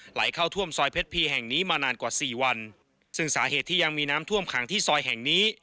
ไหลเข้าท่วมซอยเพชรพีแห่งนี้มานานกว่าสี่วันซึ่งสาเหตุที่ยังมีน้ำท่วมขังที่ซอยแห่งนี้